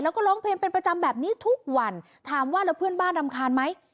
แล้วก็ร้องเพลงเป็นประจำแบบนี้ทุกวันถามว่าแล้วเพื่อนบ้านรำคาญไหม